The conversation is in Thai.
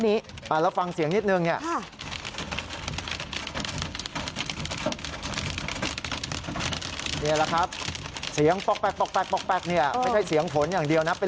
นี่แหละครับเสียงปลอกแปลกเนี่ยไม่ได้เสียงผลอย่างเดียวนะ